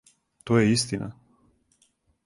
То је истина!